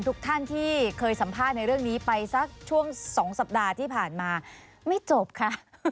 ทุกท่านที่เคยสัมภาษณ์ในเรื่องนี้ไปสักช่วง๒สัปดาห์ที่ผ่านมาไม่จบค่ะ